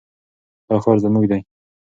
دا ښار زموږ دی.